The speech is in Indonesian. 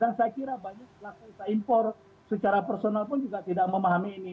dan saya kira banyak pelaku yang bisa impor secara personal pun juga tidak memahami ini